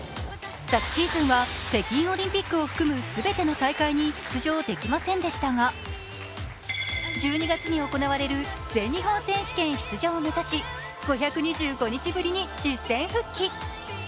昨シーズンは北京オリンピックを含む全ての大会に出場できませんでしたが１２月に行われる全日本選手権出場を目指し５２５日ぶりに実戦復帰。